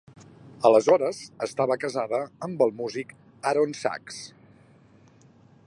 Aleshores, estava casada amb el músic Aaron Sachs.